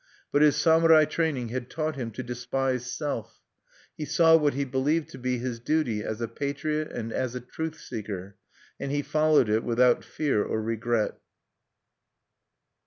But his samurai training had taught him to despise self. He saw what he believed to be his duty as a patriot and as a truthseeker, and he followed it without fear or regret.